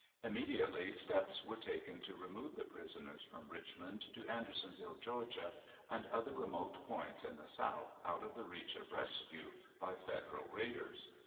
Immediately steps were taken to remove the prisoners from Richmond to Andersonville, Ga., and other remote points in the South out of the reach of rescue by Federal raiders.